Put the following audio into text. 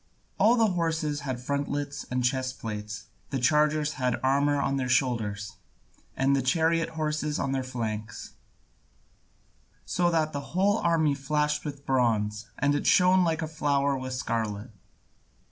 All the horses had frontlets and chest plates, the chargers had armour on their shoulders, and the chariot horses on their flanks; so that the whole army flashed with bronze, and shone like a flower with scarlet.